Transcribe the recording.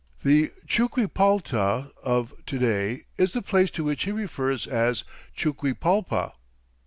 The Chuquipalta of to day is the place to which he refers as Chuquipalpa.